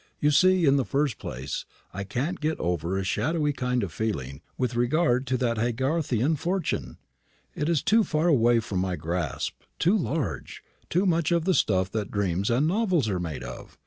"You see, in the first place, I can't get over a shadowy kind of feeling with regard to that Haygarthian fortune. It is too far away from my grasp, too large, too much of the stuff that dreams and novels are made of.